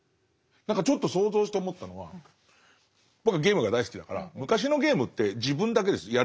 何かちょっと想像して思ったのは僕はゲームが大好きだから昔のゲームって自分だけです。